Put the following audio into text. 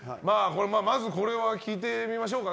まずこれは聞いてみましょうか。